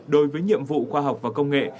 đối với nhiệm vụ khoa học và công nghệ